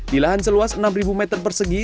di lahan seluas enam meter persegi